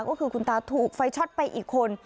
ก็คือคุณตาถูกไฟช็อตไปอีกคน